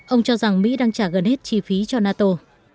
ông cho rằng mỹ đang trả gần hết chi phí cho nato